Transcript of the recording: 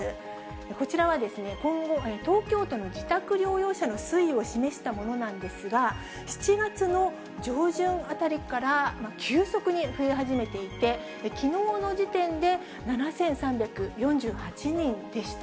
こちらは、今後、東京都の自宅療養者の推移を示したものなんですが、７月の上旬あたりから急速に増え始めていて、きのうの時点で７３４８人でした。